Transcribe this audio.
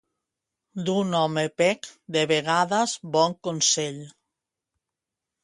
D'un home pec, de vegades bon consell.